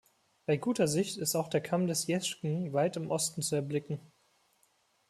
Bei guter Sicht ist auch der Kamm des Jeschken weit im Osten zu erblicken.